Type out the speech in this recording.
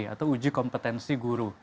atau uji kompetensi guru